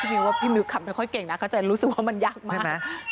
มิวว่าพี่มิ้วขับไม่ค่อยเก่งนะก็จะรู้สึกว่ามันยากมากนะ